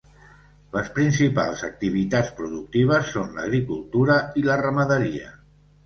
Les principals activitats productives són l'agricultura i la ramaderia.